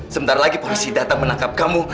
sebentar lagi polisi datang menangkap kamu